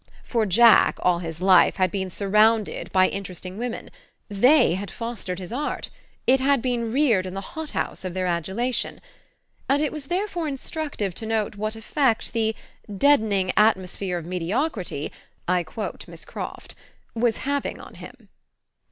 For Jack, all his life, had been surrounded by interesting women: they had fostered his art, it had been reared in the hot house of their adulation. And it was therefore instructive to note what effect the "deadening atmosphere of mediocrity" (I quote Miss Croft) was having on him.